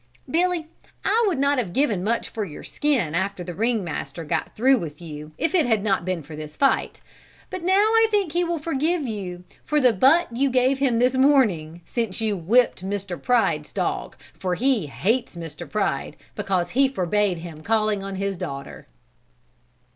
"Billy, I would not have given much for your skin after the ring master got through with you if it had not been for this fight; but now I think he will forgive you for the butt you gave him this morning, since you whipped Mr. Pride's dog for he hates Mr. Pride because he forbade him calling on his daughter."